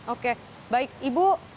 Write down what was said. oke baik ibu terima kasih banyak